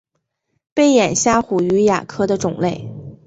背眼虾虎鱼亚科的种类。